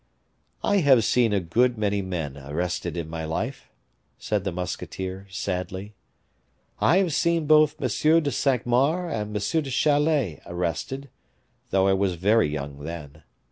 "I have seen a good many men arrested in my life," said the musketeer, sadly; "I have seen both M. de Cinq Mars and M. de Chalais arrested, though I was very young then.